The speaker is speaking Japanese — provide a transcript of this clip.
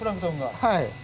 はい。